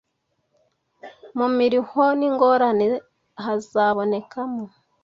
mu miruho n’ingorane hazabonekamo